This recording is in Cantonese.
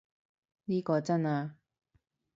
呢個真啊